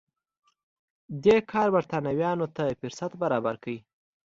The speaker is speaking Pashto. دې کار برېټانویانو ته فرصت برابر کړ.